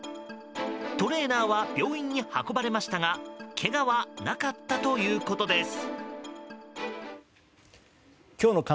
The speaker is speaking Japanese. トレーナーは病院に運ばれましたがけがはなかったということです。